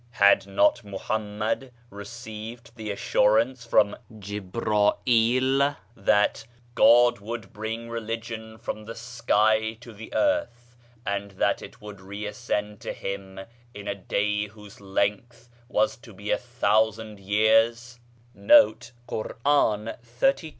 Had not Muhammad received the assurance from Djibra'll that u God would bring religion from the sky to the earth and that then it would reascend to Him in a day whose length was to be a thousand years "